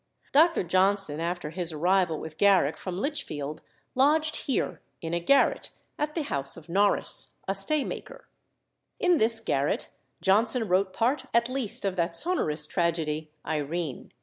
Dr. Johnson, after his arrival with Garrick from Lichfield, lodged here, in a garret, at the house of Norris, a staymaker. In this garret Johnson wrote part at least of that sonorous tragedy, "Irene."